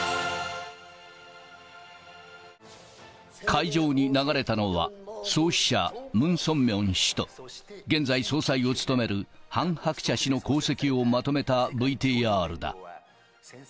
会場に流れたのは、創始者、ムン・ソンミョン氏と、現在総裁を務めるハン・ハクチャ氏の功績をまとめたＶＴＲだ。